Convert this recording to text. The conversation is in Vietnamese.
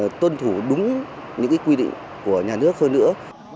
để tôn thủ đúng những quy định của nhà nước hơn nữa